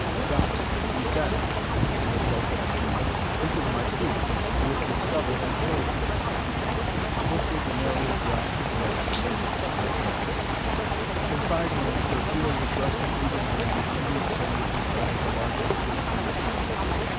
"Stop! Descend!" was his exultant command. "This is my proof! We have discovered Antillia!" Swiftly the Nereid dropped to that submerged plateau. In five minutes, her keel was resting evenly on the smooth sand beside the largest of the three pyramids.